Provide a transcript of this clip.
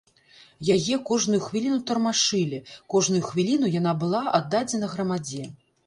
Яе кожную хвіліну тармашылі, кожную хвіліну яна была аддадзена грамадзе.